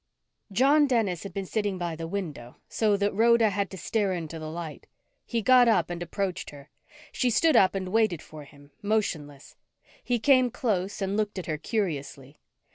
John Dennis had been sitting by the window so that Rhoda had to stare into the light. He got up and approached her. She stood up and waited for him, motionless. He came close and looked at her curiously.